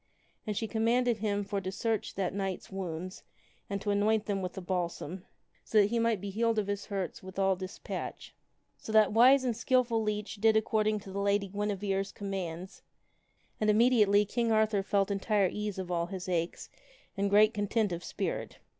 And she commanded him for to search that knight's wounds and to anoint them with the balsam, so that he might be healed of his hurts with all despatch. So that wise and skilful leech did according to the Lady Guinevere's commands, and immediately King Arthur felt entire ease of all his aches and great content of spirit.